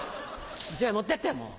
１枚持ってってもう！